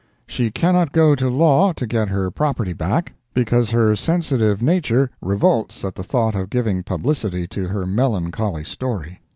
—She cannot go to law to get her property back, because her sensitive nature revolts at the thought of giving publicity to her melancholy story.